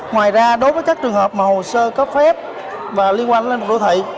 ngoài ra đối với các trường hợp mà hồ sơ có phép và liên quan đến lãnh đạo đô thị